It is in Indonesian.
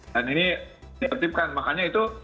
dan ini tertipkan makanya itu